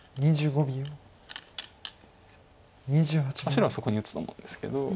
白はそこに打つと思うんですけど。